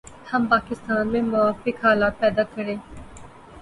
ہم پاکستان میں موافق حالات پیدا کریں